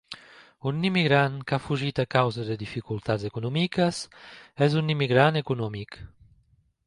Un immigrant que ha fugit a causa de dificultats econòmiques és un immigrant econòmic.